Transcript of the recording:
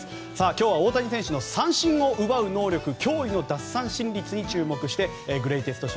今日は大谷選手の三振を奪う能力驚異の奪三振率に注目してグレイテスト